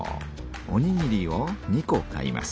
おにぎりを２こ買います。